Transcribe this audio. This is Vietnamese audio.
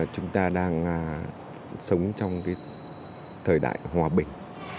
chúng ta đang sống trong thời đại hòa bình